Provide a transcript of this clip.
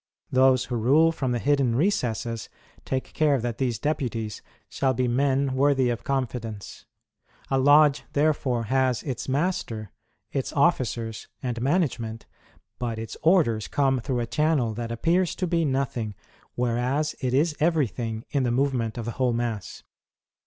Those who rule from the hidden recesses take care that these deputies shall be men worthy of confidence. A lodge, therefore, has its master, its officers, and management ; but its orders come through a channel that appears to be nothing, whereas it is everything in the movement of the whole mass.